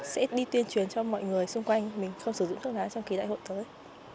sẽ đi tuyên truyền cho mọi người xung quanh mình không sử dụng thuốc lá trong kỳ đại hội tới